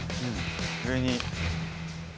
上に。